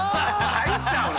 入っちゃうの？